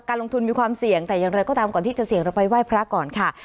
ลงทุนมีความเสี่ยงแต่อย่างไรก็ตามก่อนที่จะเสี่ยงเราไปไหว้พระก่อนค่ะ